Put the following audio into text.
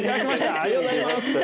ありがとうございます！